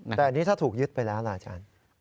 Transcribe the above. แต่อันนี้ถ้าถูกยึดไปแล้วล่ะอาจารย์